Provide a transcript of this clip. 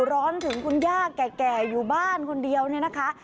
ร้อนถึงคุณย่าแก่อยู่บ้านคนเดียวเนี่ยนะคะ